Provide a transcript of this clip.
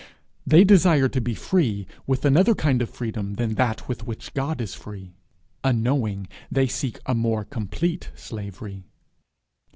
They desire to be free with another kind of freedom than that with which God is free; unknowing, they seek a more complete slavery.